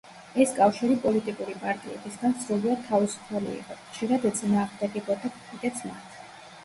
ეს კავშირი პოლიტიკური პარტიებისგან სრულიად თავისუფალი იყო, ხშირად ეწინააღმდეგებოდა კიდეც მათ.